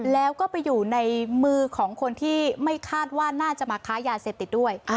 แล้วก็ไปอยู่ในมือของคนที่ไม่คาดว่าน่าจะมาค้ายาเสพติดด้วย